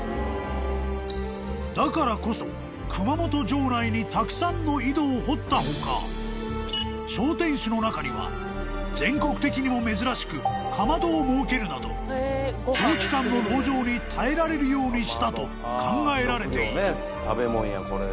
［だからこそ熊本城内にたくさんの井戸を掘った他小天守の中には全国的にも珍しくかまどを設けるなど長期間の籠城に耐えられるようにしたと考えられている］